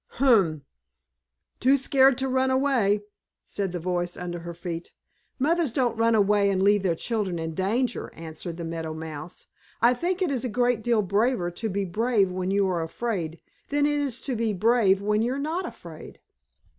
"Humph! Too scared to run away," said the voice under her feet. "Mothers don't run away and leave their children in danger," answered the Meadow Mouse. "I think it is a great deal braver to be brave when you are afraid than it is to be brave when you're not afraid."